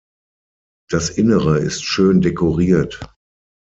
Das Innere ist schön dekoriert.